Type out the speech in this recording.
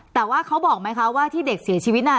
แต่ว่าเขาบอกไหมคะว่าที่เด็กเสียชีวิตน่ะ